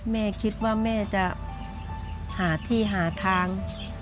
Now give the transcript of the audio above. แม่คิดว่าแม่จะหาที่หาทาง